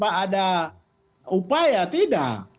pak ada upaya tidak